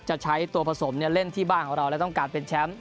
จะใช้ตัวผสมเล่นที่บ้านของเราและต้องการเป็นแชมป์